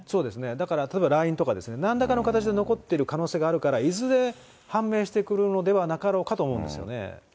だから例えばＬＩＮＥとかですね、なんらかの形で残ってる可能性があるから、いずれ判明してくるのではなかろうかと思うんですよね。